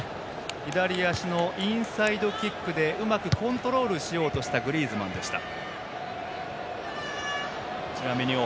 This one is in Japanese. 左足のインサイドキックでうまくコントロールしようとしたグリーズマンでした。